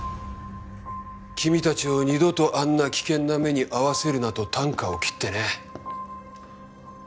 君たちを二度とあんな危険な目に遭わせるなと啖呵を切ってね。